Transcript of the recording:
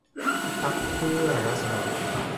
พรรคเพื่อราษฎร